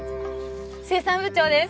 生産部長です！